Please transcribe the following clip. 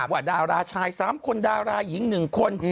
ว่าดาราชาย๓คนดาราหญิง๑คน